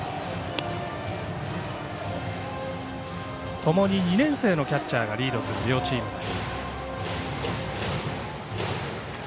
ともに２年生のキャッチャーがリードする両チームです。